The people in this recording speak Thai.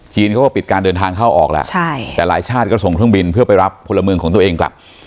เขาก็ปิดการเดินทางเข้าออกแล้วใช่แต่หลายชาติก็ส่งเครื่องบินเพื่อไปรับพลเมืองของตัวเองกลับ